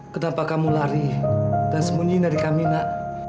kenapa kamu lari dan semunyi dari kami nak